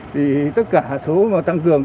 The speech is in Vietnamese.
thì tất cả số tăng cường